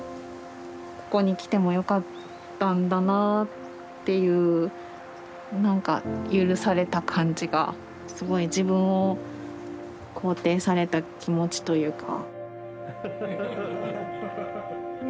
ここに来てもよかったんだなぁっていう何か許された感じがすごい自分を肯定された気持ちというか。